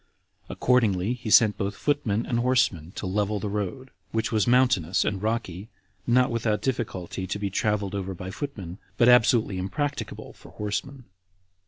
Accordingly, he sent both foot men and horsemen to level the road, which was mountainous and rocky, not without difficulty to be traveled over by footmen, but absolutely impracticable for horsemen.